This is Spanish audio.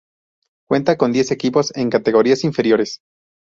Cuenta con diez equipos en categorías inferiores.